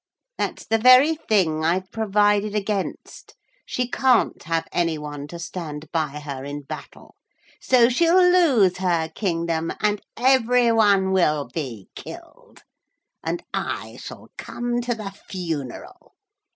That's the very thing I've provided against. She can't have any one to stand by her in battle, so she'll lose her kingdom and every one will be killed, and I shall come to the funeral.